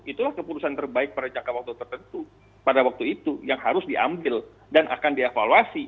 itulah keputusan terbaik pada jangka waktu tertentu pada waktu itu yang harus diambil dan akan dievaluasi